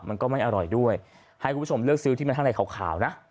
มันก็ไม่อร่อยด้วยให้คุณผู้ชมเลือกซื้อที่มันข้างในขาวนะ